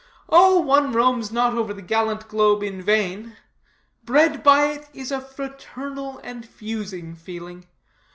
Oh, one roams not over the gallant globe in vain. Bred by it, is a fraternal and fusing feeling.